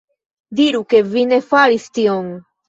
Diru, ke vi ne faris tion!